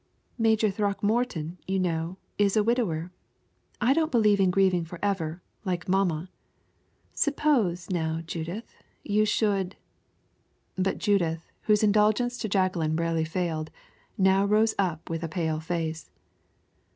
"Major Throckmorton, you know, is a widower. I don't believe in grieving forever, like mamma. Suppose, now, Judith, you should " But Judith, whose indulgence to Jacqueline rarely failed, now rose up with a pale face.